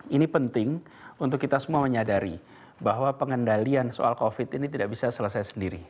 ini penting untuk kita semua menyadari bahwa pengendalian soal covid ini tidak bisa selesai sendiri